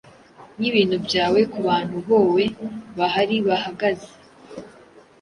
Nkibintu byawe kubantu boe bahari bahagaze